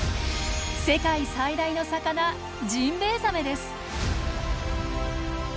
世界最大の魚ジンベエザメです！